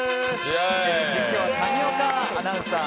実況は谷岡アナウンサー。